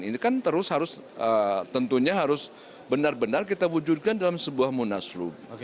ini kan terus harus tentunya harus benar benar kita wujudkan dalam sebuah munaslub